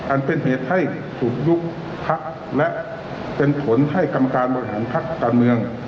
อันเป็นเหตุให้ถูกยุบพักและเป็นผลให้กรรมการบริหารพักการเมือง